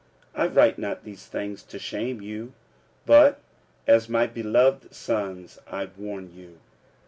46:004:014 I write not these things to shame you, but as my beloved sons I warn you.